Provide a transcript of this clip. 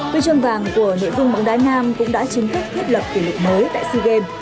huy chương vàng của nội dung bóng đá nam cũng đã chính thức thiết lập kỷ lục mới tại sea games